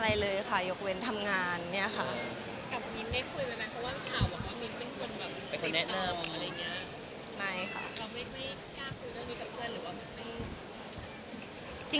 แล้วไม่กล้าคุยเรื่องนี้กับเพื่อนหรือว่าไม่